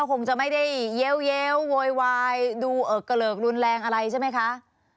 คงจะไม่ได้เย้วโวยวายดูเอิกเกลิกรุนแรงอะไรใช่ไหมคะ